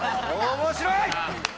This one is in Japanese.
面白い。